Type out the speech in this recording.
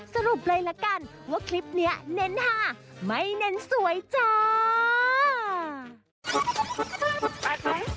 สรุปเลยละกันว่าคลิปนี้เน้นหาไม่เน้นสวยจ้า